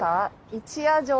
「一夜城」。